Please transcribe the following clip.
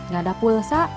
gak ada pulsa